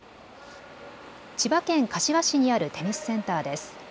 千葉県柏市にあるテニスセンターです。